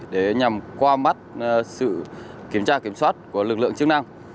để nhằm qua mắt sự kiểm tra kiểm soát của lực lượng chức năng